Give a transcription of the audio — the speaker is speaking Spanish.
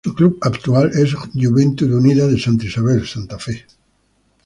Su club actual es Juventud Unida de Santa Isabel, Santa Fe.